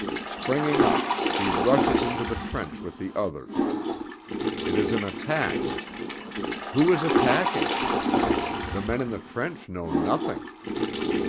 Springing up, he rushes into the trench with the others. It is an attack. Who is attacking? The men in the trench know nothing.